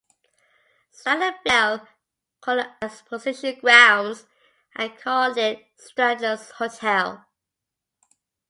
Statler built a hotel on the Exposition grounds and called it "Statler's Hotel".